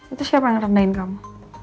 itu siapa yang rendahin kamu